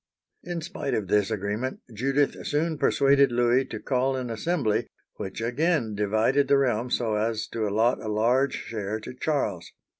In spite of this agreement, Judith soon persuaded Louis to call an assembly, which again divided the realm so as to allot a large share to Charles.